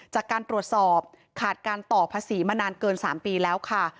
จากการตรวจสอบขาดการต่อภาษีมานานเกิน๓ปีแล้วค่ะ